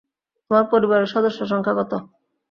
তোমার পরিবারের সদস্য সংখা কত?